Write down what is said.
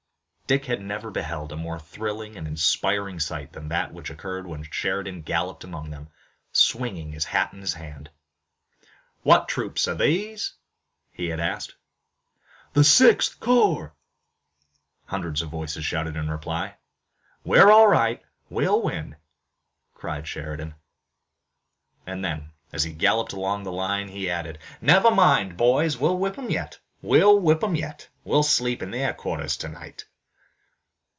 Dick never beheld a more thrilling and inspiring sight than that which occurred when Sheridan galloped among them, swinging his hat in his hand. "What troops are these?" he had asked. "The Sixth Corps!" hundreds of voices shouted in reply. "We are all right! We'll win!" cried Sheridan. And then, as he galloped along the line he added: "Never mind, boys, we'll whip 'em yet! We'll whip 'em yet! We'll sleep in their quarters tonight!"